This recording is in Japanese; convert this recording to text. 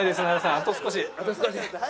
あと少し。